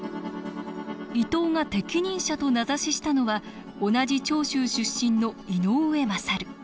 伊藤が適任者と名指ししたのは同じ長州出身の井上勝。